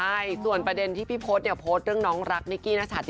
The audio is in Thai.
ใช่ส่วนประเด็นที่พี่พศเนี่ยโพสต์เรื่องน้องรักนิกกี้นชัด